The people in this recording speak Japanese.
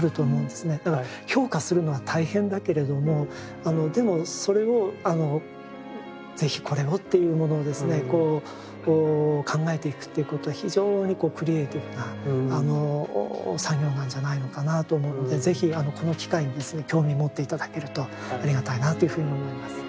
だから評価するのは大変だけれどもでもそれを是非これをっていうものを考えていくということは非常にクリエーティブな作業なんじゃないのかなと思うので是非この機会に興味持って頂けるとありがたいなというふうに思います。